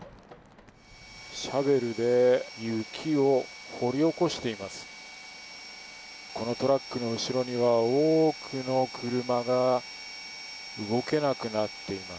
シャベルで雪を掘り起こしています。